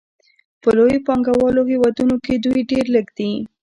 په لویو پانګوالو هېوادونو کې دوی ډېر لږ دي